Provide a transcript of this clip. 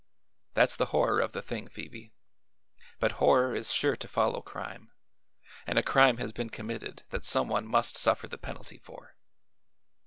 That's the horror of the thing, Phoebe; but horror is sure to follow crime, and a crime has been committed that some one must suffer the penalty for.